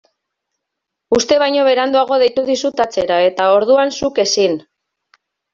Uste baino beranduago deitu dizut atzera eta orduan zuk ezin.